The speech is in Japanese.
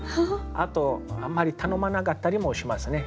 あとあんまり頼まなかったりもしますね